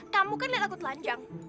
kamu kan liat aku terlanjang